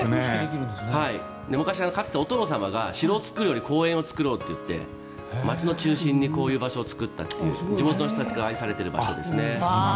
昔、かつてお殿様が城を作るより公園を作ろうって街の中心にこういう場所を作ったという地元の人たちから愛されている場所ですね。